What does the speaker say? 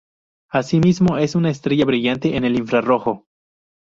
Asimismo, es una estrella brillante en el infrarrojo.